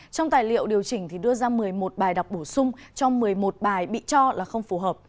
trong tài liệu điều chỉnh đưa ra một mươi một bài đọc bổ sung cho một mươi một bài bị cho là không phù hợp